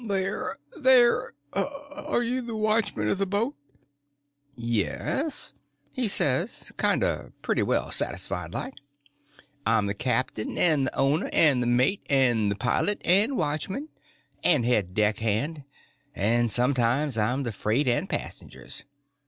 "They're—they're—are you the watchman of the boat?" "Yes," he says, kind of pretty well satisfied like. "I'm the captain and the owner and the mate and the pilot and watchman and head deck hand; and sometimes I'm the freight and passengers.